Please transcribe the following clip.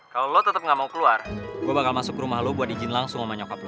kalau lo tetap nggak mau keluar gue bakal masuk ke rumah lo buat izin langsung sama nyokap lo